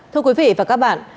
thưa quý vị và các bạn